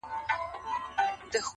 پرې کوي به یو د بل غاړي سرونه-